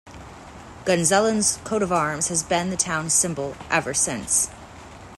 Gunzelin's coat of arms has been the town's symbol ever since.